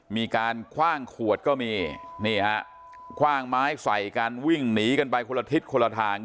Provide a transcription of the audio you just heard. มีการคว่างขวดก็มีนี่ฮะคว่างไม้ใส่กันวิ่งหนีกันไปคนละทิศคนละทาง